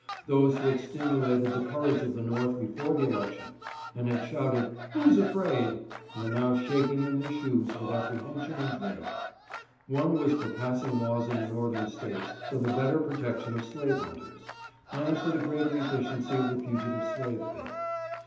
Those who had stimulated the cour age of the North before the election, and had shouted " Who's afraid ?" were now shaking in their shoes with apprehension and dread. One was for passing laws in the northern States for the better protection of slave hunters, and for the greater efficiency of the fugitive slave bill.